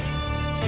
kamu berdua apes